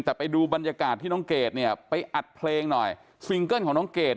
แต่ไปดูบรรยากาศที่น้องเกดเนี่ยไปอัดเพลงหน่อยซิงเกิ้ลของน้องเกด